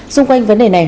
xung quanh vấn đề này